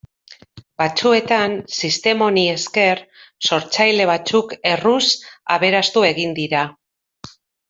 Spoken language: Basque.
Batzuetan, sistema honi esker, sortzaile batzuk erruz aberastu egin dira.